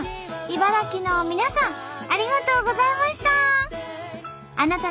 茨城の皆さんありがとうございました！